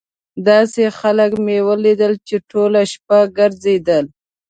داسې خلک مې ولیدل چې ټوله شپه ګرځېدل.